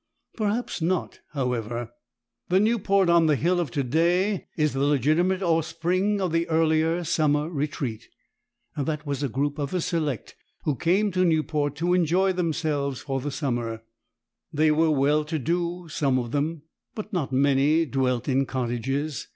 Perhaps not, however. The Newport on the hill of to day is the legitimate offspring of the earlier summer retreat. That was a group of the select who came to Newport to enjoy themselves for the summer. They were well to do, some of them. But not many dwelt in cottages.